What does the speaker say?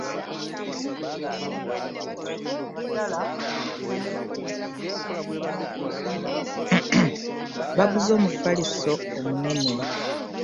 Baguze omufaliso omunene.